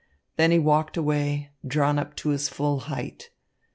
Then he walked away, drawn up to his full height.